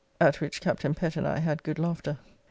at which Captain Pett and I had good laughter.